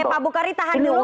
pak bukhari tahan dulu